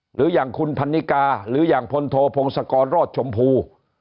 หรืออย่างคุณพันนิกาหรืออย่างพลโทพงศกรรอดชมพู